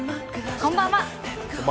こんばんは。